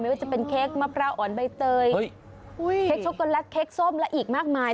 ว่าจะเป็นเค้กมะพร้าวอ่อนใบเตยเค้กช็อกโกแลตเค้กส้มและอีกมากมาย